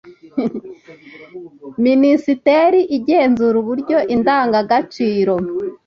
minisiteri igenzura uburyo indangagaciro